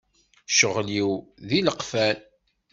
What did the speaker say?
Ccɣel-iw d ileqfen.